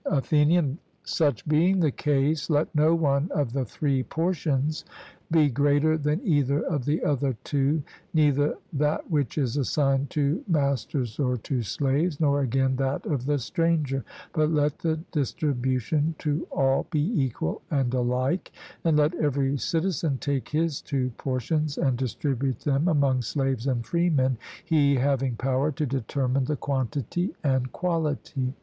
ATHENIAN: Such being the case, let no one of the three portions be greater than either of the other two neither that which is assigned to masters or to slaves, nor again that of the stranger; but let the distribution to all be equal and alike, and let every citizen take his two portions and distribute them among slaves and freemen, he having power to determine the quantity and quality.